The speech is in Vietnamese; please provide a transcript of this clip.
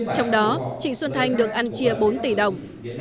trong đó trịnh xuân thanh được ăn chia bốn tỷ đồng